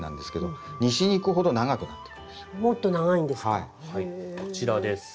はいこちらです。